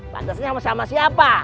pantasnya sama siapa